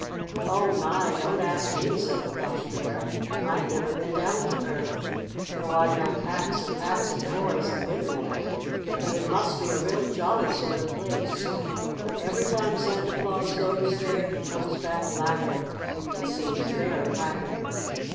"Oh, my! don't ask me," said the Plush Bear. "I've never been down to Earth, though I know packs and packs of toys have been taken there. But it must be a real jolly sort of place, for every time Santa Claus goes there he comes back laughing and seems very happy.